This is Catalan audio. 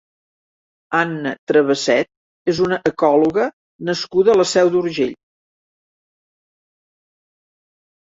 Anna Traveset és una ecòloga nascuda a La Seu d'Urgell.